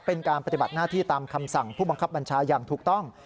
เป็นการปฏิบัติหน้าที่ตามคำสั่งผู้บังคับบัญชาอย่างถูกต้อง